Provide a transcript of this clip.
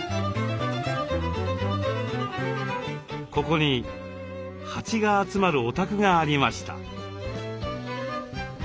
ここに蜂が集まるお宅がありました。